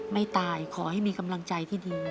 ไม่ตายขอให้มีกำลังใจที่ดี